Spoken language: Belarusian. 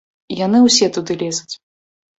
Яны ўсе туды лезуць.